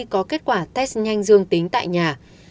có kết quả test nhanh dương tính tại nhà